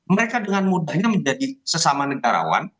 mereka dengan mudahnya menjadi sesama negarawan